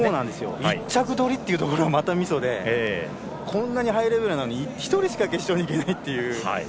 １着取りというところがまたミソでこんなにハイレベルなのに１人しか決勝にいけないという。